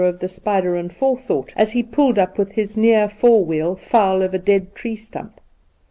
of the spider and four thought as he pulled up with his near fore wheel foul of a dead tree stump.